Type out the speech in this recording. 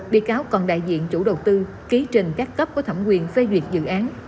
bị cáo còn đại diện chủ đầu tư ký trình các cấp có thẩm quyền phê duyệt dự án